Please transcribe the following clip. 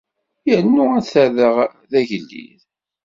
Yernu ad t-rreɣ d agellid.